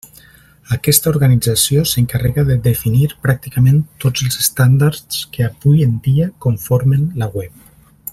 Aquesta organització s'encarrega de definir pràcticament tots els estàndards que avui en dia conformen la web.